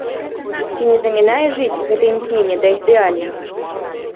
Ці не замінае жыць гэтае імкненне да ідэальнага?